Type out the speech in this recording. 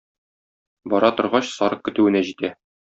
Бара торгач, сарык көтүенә җитә.